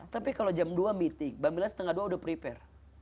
tapi kalau jam dua meeting mbak mila setengah dua udah prepare